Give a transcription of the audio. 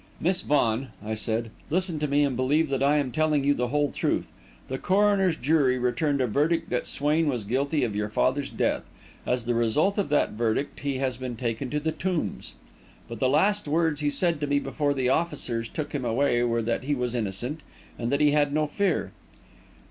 "Miss Vaughan," I said, "listen to me and believe that I am telling you the whole truth. The coroner's jury returned a verdict that Swain was guilty of your father's death. As the result of that verdict, he has been taken to the Tombs. But the last words he said to me before the officers took him away were that he was innocent, and that he had no fear."